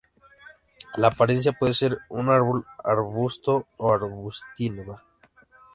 La apariencia puede ser de un árbol, arbusto o arbustiva.